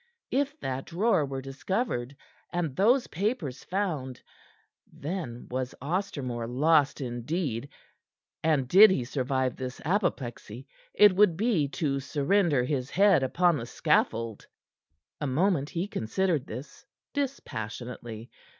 If that drawer were discovered, and those papers found, then was Ostermore lost indeed, and did he survive this apoplexy, it would be to surrender his head upon the scaffold. A moment he considered this, dispassionately.